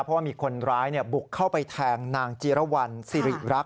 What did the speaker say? เพราะว่ามีคนร้ายบุกเข้าไปแทงนางจีรวรรณสิริรักษ